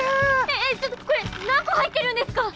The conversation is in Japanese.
えぇちょっとこれ何個入ってるんですか！